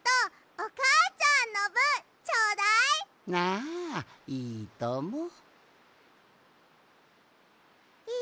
ああいいとも。